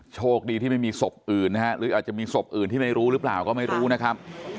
โชคดีที่ไม่มีศพอื่นนะฮะหรืออาจจะมีศพอื่นที่ไม่รู้หรือเปล่าก็ไม่รู้นะครับ